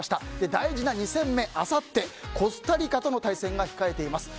大事な２戦目、あさってコスタリカ戦との対戦が控えています。